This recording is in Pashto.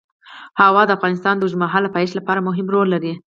هوا د افغانستان د اوږدمهاله پایښت لپاره مهم رول لري.